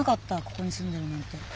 ここに住んでるなんて。